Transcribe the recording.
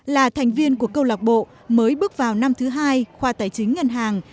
là thành viên của câu lạc bộ mới bước vào năm thứ hai khoa tài chính ngân hàng